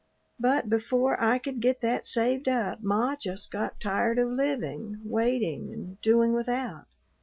But before I could get that saved up ma just got tired of living, waiting, and doing without.